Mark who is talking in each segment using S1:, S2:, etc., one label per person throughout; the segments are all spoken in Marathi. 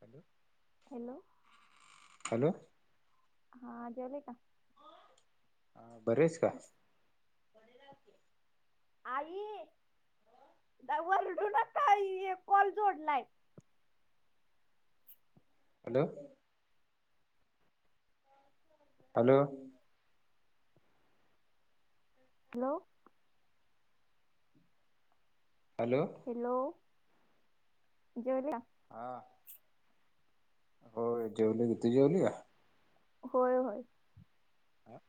S1: हॅलो.
S2: हॅलो.
S1: हॅलो.
S2: हा जेवले का?
S1: बरेच का?
S2: आई वरडू न का कॉल जोडलाय.
S1: Hello. Hello.
S2: Hello.
S1: Hello.
S2: Hello जवर
S1: हा. हो जेवली किती जेवली या.
S2: होय होय.
S1: ह.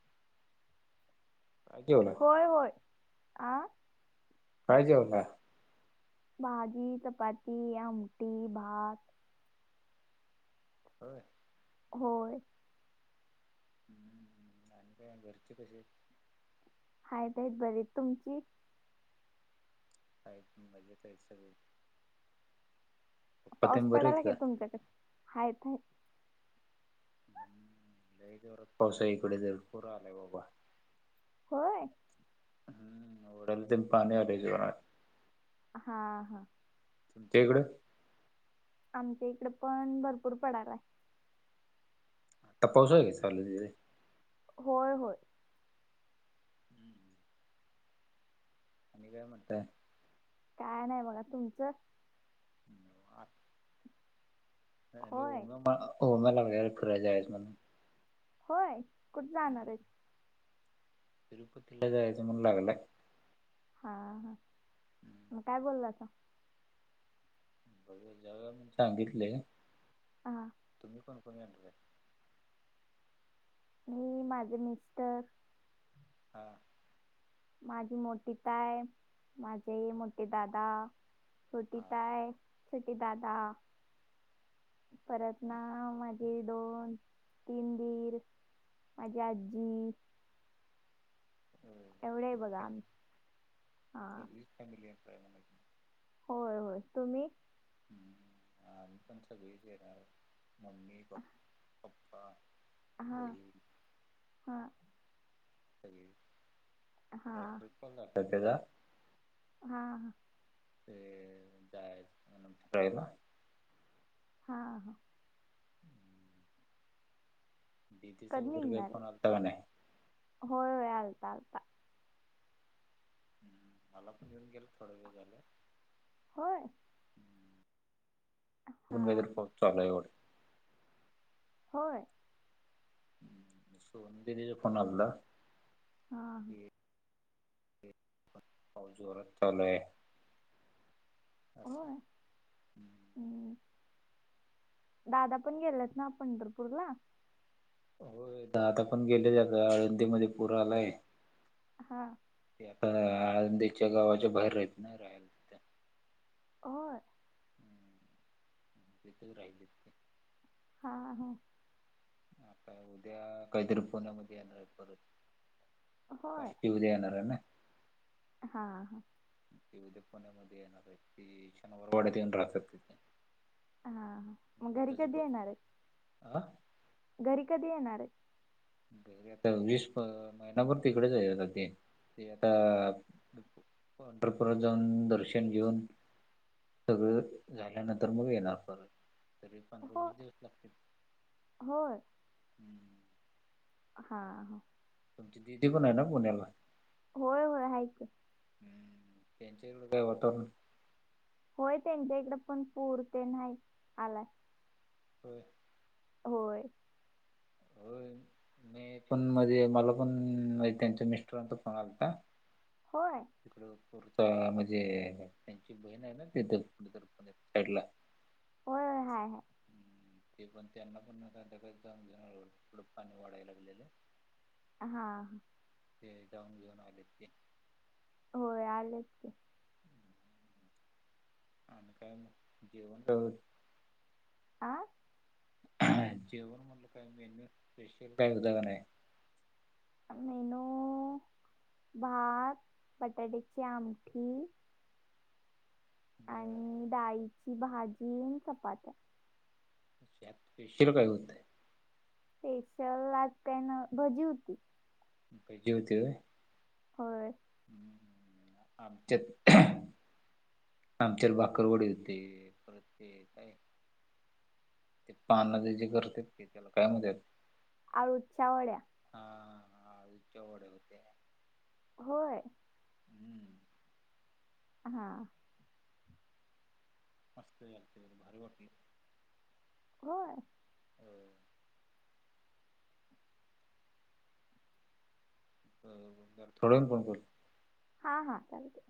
S1: कावला
S2: होय होय आ.
S1: काहिजेव ना.
S2: भाजी चपाती आमठी भात.
S1: हो.
S2: होय.
S1: हम्म आणि काय घरचे कशी?
S2: हायत बर. तुमची?
S1: का म्हजे ते सगळे. पप्पा
S2: पाऊस
S1: तेन बरे आहेत
S2: पडायला का तुमच्याकडे आहेत.
S1: लई जोरात पाऊस आहे इकडं पूर आलाय बाबा.
S2: होय.
S1: हम ओढ्याला तीन पाणी आले जोरात.
S2: हा हा.
S1: हेकडं.
S2: आमच्या इकडे पण भरपूर पडलाय.
S1: त पाऊसं हाय काय चालू तिकडे.
S2: होय होय.
S1: आणि काय म्हणतय.
S2: काय नाही बघा तुमचं.
S1: आणि
S2: होय
S1: ओमा ओम्याला वगैरे फिरायच्या आहे म्हणून.
S2: होय कुठ जाणार आहे.
S1: तिरपतीला जायचं म्हणला लागलंय.
S2: हा हा मग काय बोलासा.
S1: जाऊया म्हणून सांगितले
S2: हा
S1: तुम्ही कोण कोण येणार हाय.
S2: मी माझं मिस्टर.
S1: हा.
S2: माझी मोठी ताय माझे मोठे दादा. छोटी
S1: हा
S2: ताय छोटे दादा.
S1: [inaudible]
S2: परत ना मा ही दोन तीन वीर माझी आजी. एवढे हाय
S1: सगळी
S2: बघा हा.
S1: फॅमिय [unintelligible]
S2: होय होय तुम्ही.
S1: हम्म [inaudible] आणि् पण सगळी येणार मम्मी पप् पप्पा
S2: हा
S1: बहीण.
S2: हा. हा
S1: रात्रीच कॉल झालता त्याचा.
S2: हा हा.
S1: ते जायच म्हणून फिरायला.
S2: हां हां.
S1: दिदीचा
S2: कधी
S1: वगैरे काही
S2: निघणार
S1: फोन आलता का नाही
S2: आहे होय होय आलता आलता.
S1: हम्म मला पण येऊन गेल थोड वेळ झाले.
S2: होय. हा
S1: कुणाचा तरी फोन चालू आहे वाटतं.
S2: होय.
S1: सोनू दीदीचा फोण आलता.
S2: हा ह.
S1: की पाऊस जोरात चालू आहे.
S2: होय
S1: असं.
S2: हम्म. दादा पण गेलेच ना पंढरपूर ला.
S1: हो दादा पण गेले आता आळंदीमध्ये पूर आलाय.
S2: हा.
S1: ता आळंदीच्या गावाच्या बाहेर राहला.
S2: होय.
S1: तिथच राहिली.
S2: हा हा.
S1: काय उद्या काहीतरी पुण्यामध्ये येणार आहेत परत.
S2: होय.
S1: पाली उद्या येणार आहे नाय.
S2: हा हा.
S1: ते उद्या पुण्यामध्ये येनार आहे, ते शनिवार वाड्यात येऊन राहतात तिथ.
S2: हां.. हा. मग घरी
S1: तिथला जा
S2: कधी
S1: प,
S2: येणार आहे?
S1: हं?
S2: घरी कधी येणार आहे?
S1: आता वीस महिना्यापर तिकडेच आहे आता ते, ते आता पंढरपुरला जाऊन दर्शन घेऊन. सगळं झाल्यानंतर मग येणार परत, तरी पंधरा
S2: हो
S1: वीस दिवस लागतील.
S2: होय.
S1: हम्म.
S2: हा ह.
S1: आमची दिदी पण आहे ना पुण्याला.
S2: होय होय हाय कि.
S1: हम्म त्यांच्या इथं वातावरण
S2: होय त्यांच्या इकडे पण पुर ते नाही आला.
S1: होय.
S2: होय.
S1: होय मी पण मध्ये, मला पण त्यांच्या मिस्टरांचा फोन आलता.
S2: होय.
S1: तिकड पुरत, म्हणजे त्यांची बहीण आहे ना तिथ कुठ. पडला.
S2: होय हाय हाय.
S1: ते पण त्यांना पण जाऊ थड पाणी वाढायला गेलेलं.
S2: हा.
S1: ते जाऊन घेऊन आलेत ते.
S2: होय आलेत ते.
S1: आणि काय जेवण [unintelligible]
S2: आं?
S1: जेवण म्हणलं काही मेन्यू स्पेशल काही उदाण [unintelligible] आहे.
S2: मेनू भात, बटाट्याची आमटी.
S1: बर.
S2: चाईची भाजी आणि चपात्या.
S1: [unintelligible] श पींशे रुपये होत आहे.
S2: स्पेशल आज का नाय, भजी होती.
S1: भजी होते होय?
S2: होय.
S1: आमच्यात, आमच्यात भाकररवडी होती. ते काय? ते पानाच जे करत्यात त्याला काय म्हणत्यात?
S2: आळुच्या वड्या.
S1: हा आलूच्या वड्या होत्या.
S2: होय.
S1: हम्म.
S2: हा.
S1: मस्त झाल [unintelligible] भारी वाटे.
S2: होय.
S1: अ र थोड कोण करल [unintelligible]
S2: हा हा चालते.